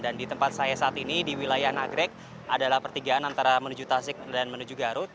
dan di tempat saya saat ini di wilayah nagrek adalah pertigaan antara menuju tasik dan menuju garut